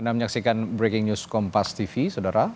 anda menyaksikan breaking news kompas tv saudara